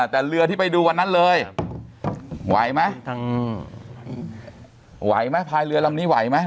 แต่เรือที่ไปดูวันนั้นเลยไหวไหมไหวไหมพายเรือลำนี้ไหวไหม